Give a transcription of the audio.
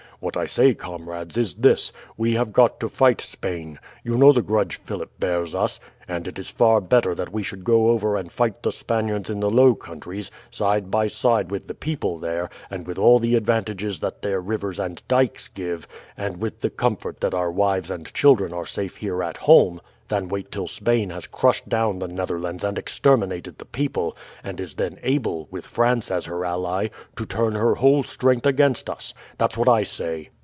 What I say, comrades, is this: we have got to fight Spain you know the grudge Philip bears us and it is far better that we should go over and fight the Spaniards in the Low Countries, side by side with the people there, and with all the advantages that their rivers and dykes give, and with the comfort that our wives and children are safe here at home, than wait till Spain has crushed down the Netherlands and exterminated the people, and is then able, with France as her ally, to turn her whole strength against us. That's what I say."